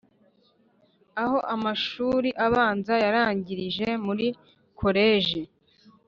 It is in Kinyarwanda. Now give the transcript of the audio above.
aho amashuri abanza yarangirije muri collège